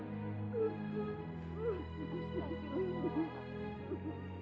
ibu ingin menjaga kamu